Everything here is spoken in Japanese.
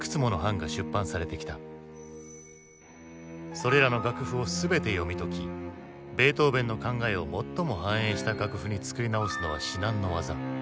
それらの楽譜を全て読み解きベートーヴェンの考えを最も反映した楽譜に作り直すのは至難の業。